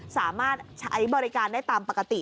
สามารถใช้บริการได้ตามปกติ